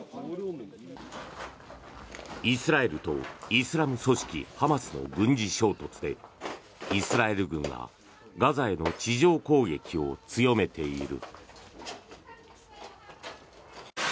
イスラエルとイスラム組織ハマスの軍事衝突でイスラエルがガザへの地上攻撃を強めている。